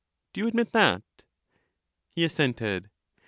Do you admit that? He assented.